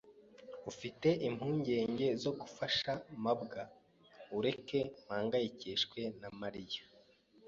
Ufite impungenge zo gufasha mabwa ureke mpangayikishijwe na Mariya.